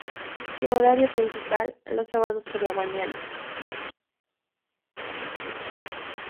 Su horario principal los sábados por la mañana.